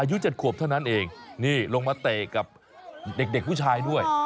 อายุ๗ขวบเท่านั้นเองนี่ลงมาเตะกับเด็กผู้ชายด้วย